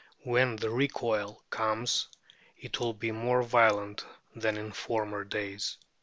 When the recoil comes, it will be more violent than in former days.